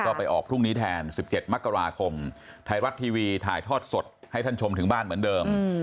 ก็ไปออกพรุ่งนี้แทน๑๗มกราคมไทยรัฐทีวีถ่ายทอดสดให้ท่านชมถึงบ้านเหมือนเดิม